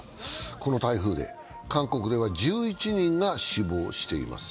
この台風で韓国では１１人が死亡しています。